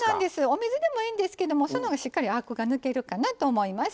お水でもいいんですけどもその方がしっかりアクが抜けるかなと思います。